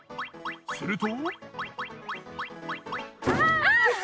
すると。